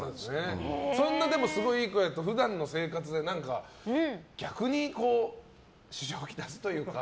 そんなすごいいい声だと普段の生活で何か逆に支障を来すというか。